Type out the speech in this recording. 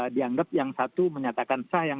dianggap yang satu menyatakan sah yang